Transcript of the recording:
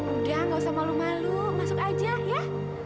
udah gak usah malu malu masuk aja ya